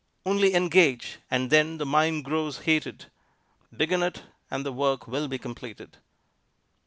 Only engage, and then the mind grows heated; Begin it, and the work will be completed.